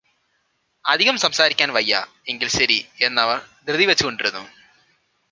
‘‘അധികം സംസാരിക്കാൻ വയ്യ. എങ്കിൽ ശരി’’ എന്ന് അവർ ധൃതിവെച്ചുകൊണ്ടിരുന്നു.